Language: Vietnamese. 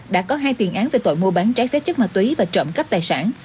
đã có hai tiền án về tội mua bán trái xét chất mà túy và trộm cắp tài sản